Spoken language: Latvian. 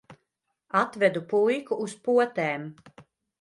Atvedu puiku uz potēm.